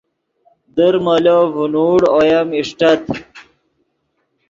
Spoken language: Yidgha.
در مولو ڤینوڑ اویم اݰٹت